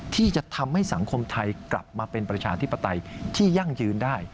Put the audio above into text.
ที่จะทำให้สังคมไทยกลับมาเป็นประชาธิปไตยที่ยั่งยืนได้